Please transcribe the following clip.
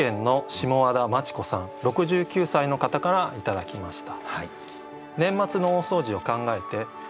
６９歳の方から頂きました。